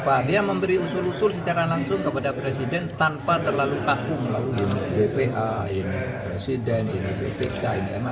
pak dia memberi usul usul secara langsung kepada presiden tanpa terlalu kaku melalui bpa ini presiden ini bpk ini ma